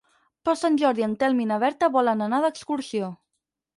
Per Sant Jordi en Telm i na Berta volen anar d'excursió.